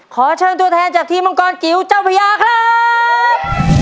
ขอเชิญตัวแทนจากทีมมังกรจิ๋วเจ้าพญาครับ